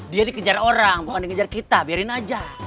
dia dikejar orang bukan dikejar kita biarin aja